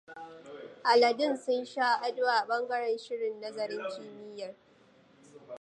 Aladun sun sha ado a bangaren shirin nazarin kimiyyar.